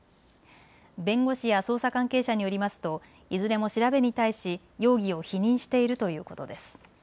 弁護士や捜査関係者によりますといずれも調べに対し容疑を否認しているということです。